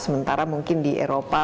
sementara mungkin di eropa